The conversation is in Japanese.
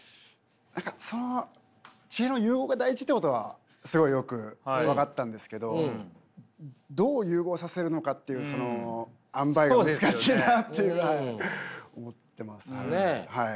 何かその地平の融合が大事ってことはすごいよく分かったんですけどどう融合させるのかっていうそのあんばいが難しいなっていう思ってますかねはい。